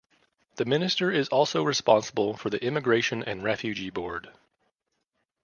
The Minister is also responsible for the Immigration and Refugee Board.